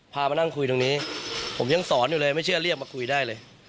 มานั่งคุยตรงนี้ผมยังสอนอยู่เลยไม่เชื่อเรียกมาคุยได้เลย